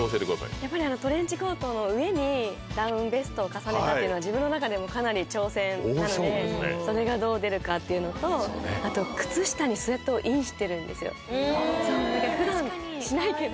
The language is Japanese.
やっぱりトレンチコートの上にダウンベストを重ねたっていうのは自分の中でもかなり挑戦なのでそれがどう出るかっていうのとあと靴下にスウェットをインしてるんですよ